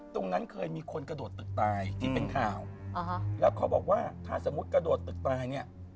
ตรงนั้นเคยมีคนกระโดดตึกตายที่เป็นข่าวแล้วเขาบอกว่าถ้าสมมุติกระโดดตึกตายเนี่ย